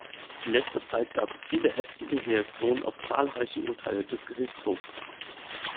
In letzter Zeit gab es viele heftige Reaktionen auf zahlreiche Urteile des Gerichtshofs.